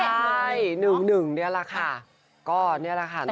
ใช่หนึ่งหนึ่งเนี้ยแหละค่ะก็เนี้ยแหละค่ะนะครับ